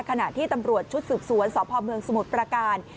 ขณะที่ตำรวจชุดสืบสวนสพเมืองสมุทรประการ